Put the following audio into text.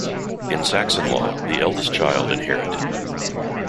In Saxon law, the eldest child inherited.